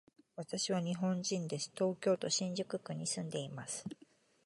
私は日本人です。東京都新宿区に住んでいます。